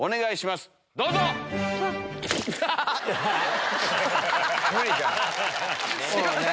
すいません